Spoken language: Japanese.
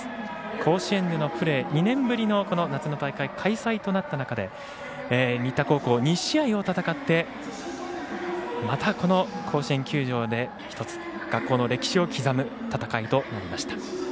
甲子園でのプレー２年ぶりの大会開催となった中で新田高校２試合を戦ってまた、この甲子園球場で一つ、学校の歴史を刻む戦いとなりました。